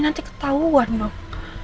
nanti ketahuan dong